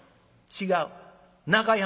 「違う」。